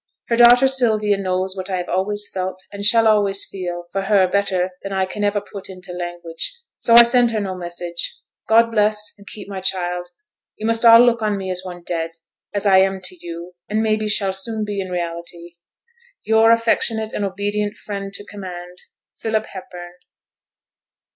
Her daughter Sylvia knows what I have always felt, and shall always feel, for her better than I can ever put into language, so I send her no message; God bless and keep my child. You must all look on me as one dead; as I am to you, and maybe shall soon be in reality. 'Your affectionate and obedient friend to command, 'PHILIP HEPBURN.